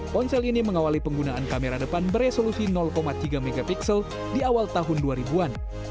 ponsel ini mengawali penggunaan kamera depan beresolusi tiga mp di awal tahun dua ribu an